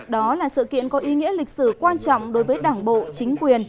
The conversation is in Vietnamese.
đó là sự kiện có ý nghĩa lịch sử quan trọng đối với đảng bộ chính quyền